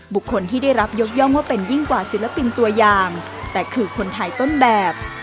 บุคคลที่ได้รับยกย่องว่าเป็นยิ่งกว่าศิลปินตัวอย่างแต่คือคนไทยต้นแบบ